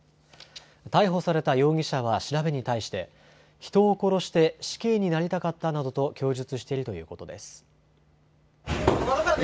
逮捕された容疑者は調べに対して人を殺して死刑になりたかったなどと供述しているということです。